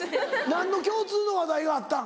何の共通の話題があったん？